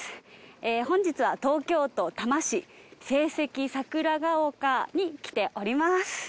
本日は東京都多摩市聖蹟桜ヶ丘に来ております。